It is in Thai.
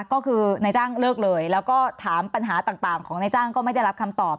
ก็คือนายจ้างเลิกเลยแล้วก็ถามปัญหาต่างของนายจ้างก็ไม่ได้รับคำตอบ